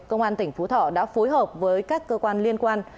công an tỉnh phú thọ đã phối hợp với các cơ quan liên quan